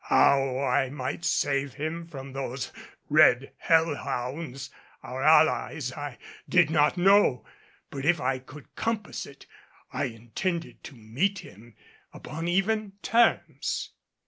How I might save him from those red hell hounds, our allies, I did not know, but if I could compass it, I intended to meet him upon even terms.